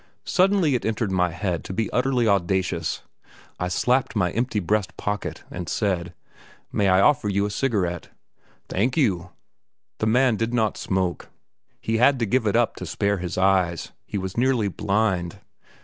Suddenly it entered my head to be utterly audacious; I slapped my empty breast pocket, and said: "May I offer you a cigarette?" "Thank you!" The man did not smoke; he had to give it up to spare his eyes; he was nearly blind.